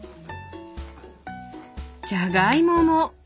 じゃがいもも！